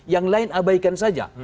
yang lain abaikan saja